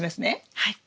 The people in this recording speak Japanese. はい。